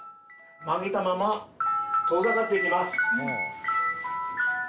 曲げたまま遠ざかっていきます。